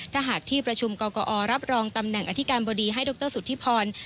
ถ้าหากที่ประชุมกรกอรับรองตำแหน่งอธิการบดีให้ดรสุธิพร